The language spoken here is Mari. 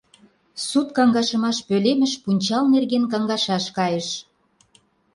Суд каҥашымаш пӧлемыш пунчал нерген каҥашаш кайыш.